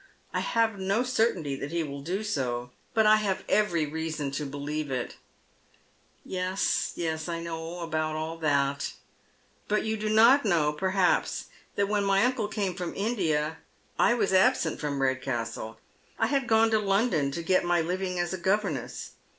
I have no certainty that he will do so, but I have every reason to believe it." " Yes, yes. I know all about that." " But you do not know, perhaps, that when my uncle camt fi"om India I was absent from Redcastle. I had gone to London 1o get my living as a governess.